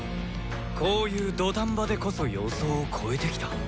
こういう土壇場でこそ予想を超えてきた。